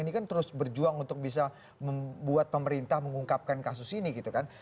ini kan terus berjuang untuk bisa membuat pemerintah mengungkapkan kasus ini gitu kan